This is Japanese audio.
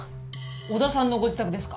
小田さんのご自宅ですか？